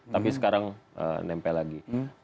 tapi sekarang nempel lagi